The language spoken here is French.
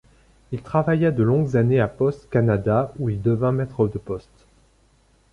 Il travailla de longues années à Postes Canada où il devint maître de poste.